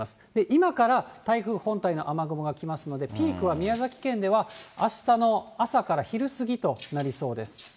今から台風本体の雨雲が来ますので、ピークは宮崎県ではあしたの朝から昼過ぎとなりそうです。